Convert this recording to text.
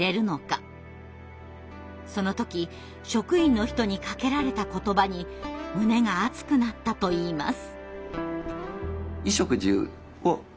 その時職員の人にかけられた言葉に胸が熱くなったといいます。